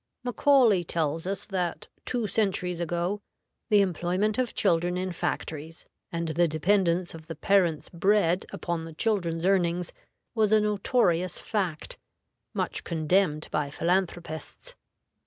Macaulay tells us that, two centuries ago, the employment of children in factories, and the dependence of the parent's bread upon the children's earnings, was a notorious fact, much condemned by philanthropists.